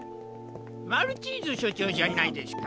マルチーズしょちょうじゃないですか！